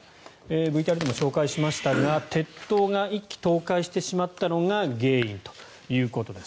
ＶＴＲでも紹介しましたが鉄塔が１基倒壊してしまったのが原因ということです。